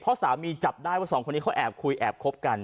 เพราะสามีจับได้ว่าสองคนนี้เขาแอบคุยแอบคบกัน